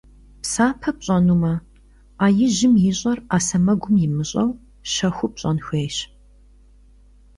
Псапэ пщӏэнумэ, ӏэ ижьым ищӏэр ӏэ сэмэгум имыщӏэу, щэхуу пщӏэн хуейщ.